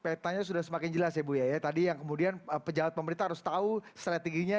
petanya sudah semakin jelas ya bu ya tadi yang kemudian pejabat pemerintah harus tahu strateginya